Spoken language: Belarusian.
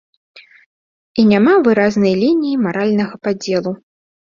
І няма выразнай лініі маральнага падзелу.